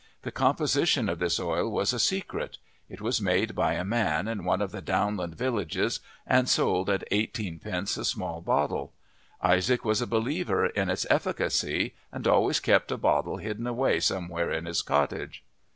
The composition of this oil was a secret: it was made by a man in one of the downland villages and sold at eighteenpence a small bottle; Isaac was a believer in its efficacy, and always kept a bottle hidden away somewhere in his cottage.